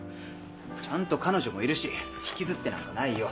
ちゃんと彼女もいるし引きずってなんかないよ。